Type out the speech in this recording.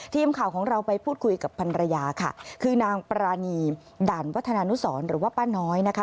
ทีมข่าวของเราไปพูดคุยกับพันรยาค่ะคือนางปรานีด่านวัฒนานุสรหรือว่าป้าน้อยนะคะ